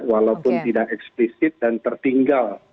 walaupun tidak eksplisit dan tertinggal